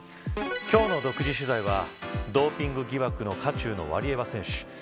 今日の独自取材はドーピング疑惑の渦中のワリエワ選手。